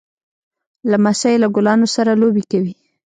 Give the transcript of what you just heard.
لمسی له ګلانو سره لوبې کوي.